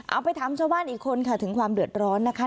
เอาไปถามชาวบ้านอีกคนค่ะถึงความเดือดร้อนนะคะ